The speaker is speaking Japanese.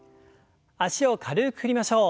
脚を軽く振りましょう。